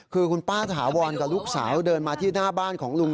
คือคุณป้าถาวรกับลูกสาวเดินมาที่หน้าบ้านของลุง